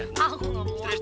aku gak mau